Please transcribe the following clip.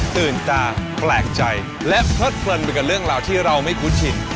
ตื่นตาแปลกใจและเพลิดเพลินไปกับเรื่องราวที่เราไม่คุ้นชิน